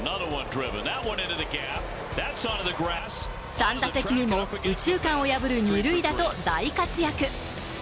３打席目も右中間を破る２塁打と大活躍。